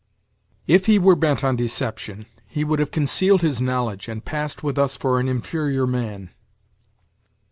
"If he were bent on deception, he would have concealed his knowledge, and passed with us for an inferior man."